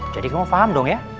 jadi kamu paham dong ya